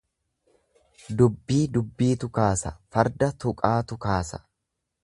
Dubbii dubbiitu kaasa, farda tuqaatu kaasa.